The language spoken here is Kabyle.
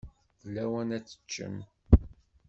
D lawan ad teččem.